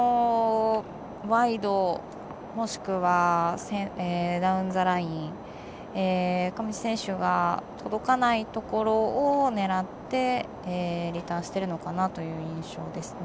ワイドもしくはダウンザライン上地選手が届かないところを狙ってリターンしているのかなという印象ですね。